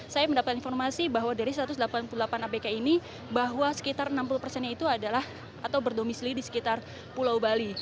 saya mendapat informasi bahwa dari satu ratus delapan puluh delapan abk ini bahwa sekitar enam puluh persennya itu adalah atau berdomisili di sekitar pulau bali